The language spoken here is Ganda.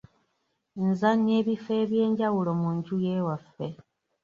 Nzannya ebifo eby'enjawulo mu nju y’ewaffe.